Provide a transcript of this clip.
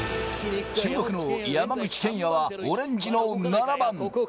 注目の山口拳矢は、オレンジの７番。